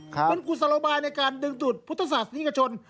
เป็นกุศโลบายในการดึงจุดพุทธศาสนิกชน